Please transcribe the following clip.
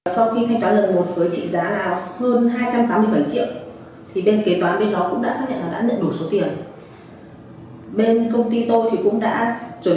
sau khi thanh toán lần một với trị giá là hơn hai trăm tám mươi năm